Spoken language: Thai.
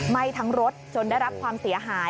ไหม้ทั้งรถจนได้รับความเสียหาย